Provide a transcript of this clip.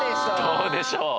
どうでしょう？